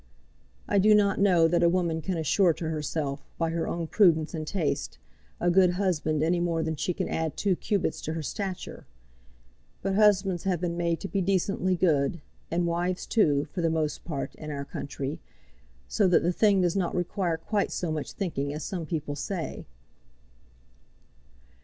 I do not know that a woman can assure to herself, by her own prudence and taste, a good husband any more than she can add two cubits to her stature; but husbands have been made to be decently good, and wives too, for the most part, in our country, so that the thing does not require quite so much thinking as some people say.